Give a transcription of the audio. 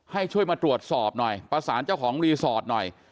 ให้ช่วยมาตรวจสอบหน่อยประสานเจ้าของรีสอร์ทหน่อย